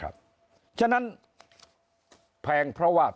เพราะฉะนั้นแพงเพราะว่า